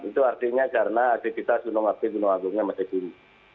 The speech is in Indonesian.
itu artinya karena aktivitas gunung api gunung agungnya masih tinggi